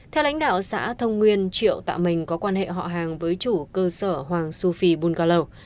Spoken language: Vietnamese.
theo lãnh đạo xã thông nguyên triệu tạ mình có quan hệ họ hàng với chủ cơ sở hoàng su phi bungalow